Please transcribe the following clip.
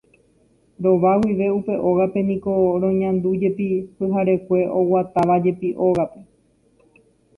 Rova guive upe ógape niko roñandújepi pyharekue oguatávajepi ógape.